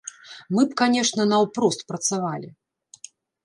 Мы б, канечне, наўпрост працавалі.